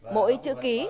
mỗi chữ ký